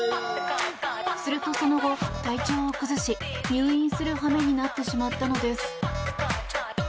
するとその後、体調を崩し入院する羽目になってしまったのです。